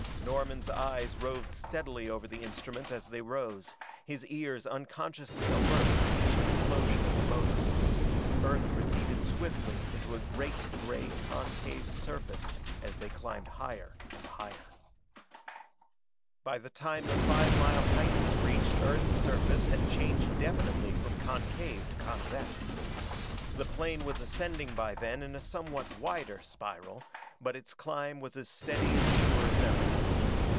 Norman's eyes roved steadily over the instrument as they rose, his ears unconsciously alert for each explosion of the motor. Earth receded swiftly into a great gray concave surface as they climbed higher and higher. By the time the five mile height was reached Earth's surface had changed definitely from concave to convex. The plane was ascending by then in a somewhat wider spiral, but its climb was as steady and sure as ever.